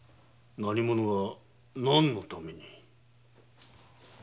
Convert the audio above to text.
何者が何のために？